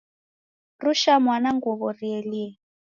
Rusha mwana nguw'o rielie.